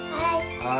はい。